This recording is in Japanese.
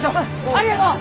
ありがとう！